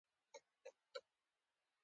بزګر ته فصل د زړۀ میوه ده